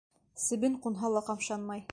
Себен ҡунһа ла ҡымшанмай.